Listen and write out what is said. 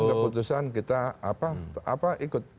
keputusan kita apa apa ikut